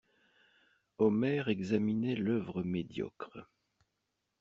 Omer examinait l'œuvre médiocre.